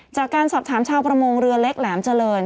จากการสอบถามชาวประมงเรือเล็กแหลมเจริญ